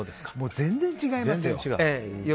全然違いますよ。